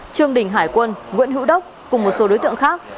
trương đình hải quân nguyễn hữu đốc cùng một số đối tượng khác